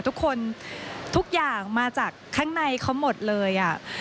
ทุกอย่างมาจากข้างในเขาหมดเลย